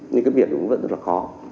nhưng cái việc cũng vẫn rất là khó